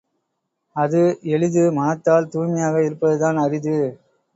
அது எளிது மனத்தால் தூய்மையாக இருப்பதுதான் அரிது.